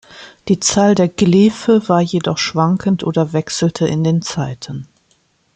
Die Zahl der Glefe war jedoch schwankend oder wechselte in den Zeiten.